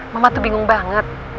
mama tuh bingung banget